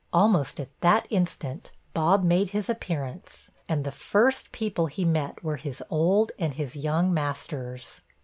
Almost at that instant, Bob made his appearance; and the first people he met were his old and his young masters.